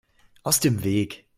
Aus dem Weg!